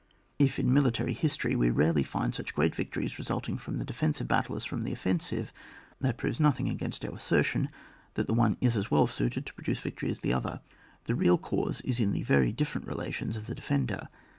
If in military history we rarely find such, great victories resulting from tlie defensive battle as from the offensive, that proves nothing against our assertion that the one is as well suited to produce victory as the other ; the real cause is in the very different relations of the defender.